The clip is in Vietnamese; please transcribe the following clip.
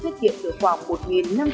ngoài ra việc thanh toán không dùng tiền mặt